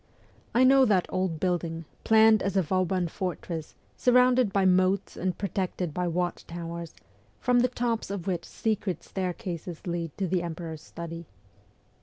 I know that old building, planned as a Vauban fortress, surrounded by moats and protected by watch towers, from the tops of which secret staircases lead to the Emperor's study.